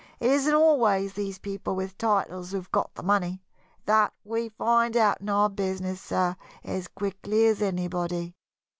It isn't always these people with titles who've got the money. That we find out in our business, sir, as quickly as anybody.